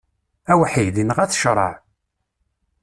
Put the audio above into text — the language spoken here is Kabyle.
Awḥid, inɣa-t ccṛaɛ.